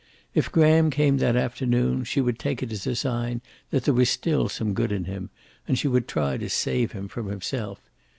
If Graham came that afternoon, she would take it as a sign that there was still some good in him, and she would try to save him from himself.